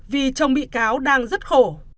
vì chồng bị cáo đang rất khổ